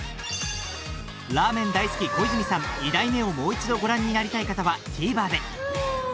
［『ラーメン大好き小泉さん二代目！』をもう一度ご覧になりたい方はＴＶｅｒで］